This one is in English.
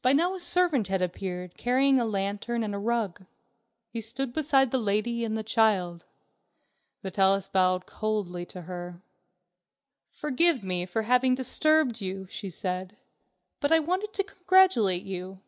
By now a servant had appeared, carrying a lantern and a rug. He stood beside the lady and the child. Vitalis bowed coldly to her. "Forgive me for having disturbed you," she said, "but I wanted to congratulate you."